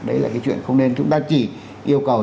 đấy là cái chuyện không nên chúng ta chỉ yêu cầu